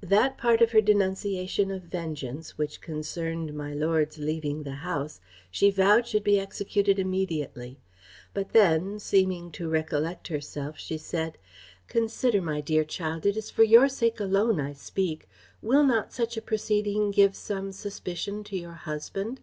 "That part of her denunciation of vengeance which concerned my lord's leaving the house she vowed should be executed immediately; but then, seeming to recollect herself, she said, 'Consider, my dear child, it is for your sake alone I speak; will not such a proceeding give some suspicion to your husband?